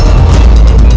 bahkan prabu amuk marugul